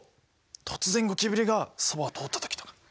突然ゴキブリがそばを通ったときとか。